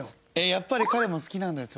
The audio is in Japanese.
やっぱり彼も好きなんだよ